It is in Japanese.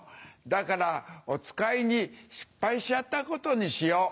だからおつかいに失敗しちゃったことにしよう。